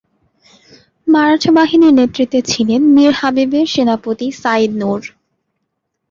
মারাঠা বাহিনীর নেতৃত্বে ছিলেন মীর হাবিবের সেনাপতি সাঈদ নূর।